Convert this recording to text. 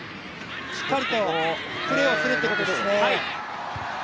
しっかりとプレーをするということですね。